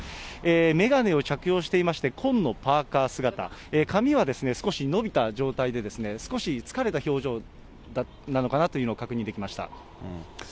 眼鏡を着用していまして、紺のパーカー姿、髪は少し伸びた状態で、少し疲れた表情なのかなというのが確認できました。